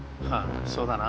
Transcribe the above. そうだな。